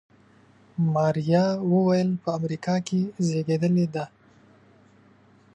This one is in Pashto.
ماريا وويل په امريکا کې زېږېدلې ده.